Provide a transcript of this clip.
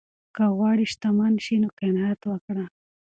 که غواړې شتمن شې نو قناعت کوه.